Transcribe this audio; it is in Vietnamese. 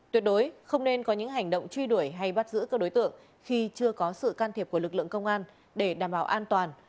tuyệt đối không nên có những hành động truy đuổi hay bắt giữ các đối tượng khi chưa có sự can thiệp của lực lượng công an để đảm bảo an toàn